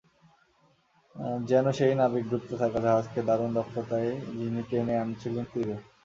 যেন সেই নাবিক, ডুবতে থাকা জাহাজকে দারুণ দক্ষতায় যিনি টেনে আনছিলেন তীরে।